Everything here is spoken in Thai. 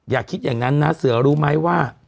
อย่าคิดอย่างนั้นนะเสือรู้ไหมว่า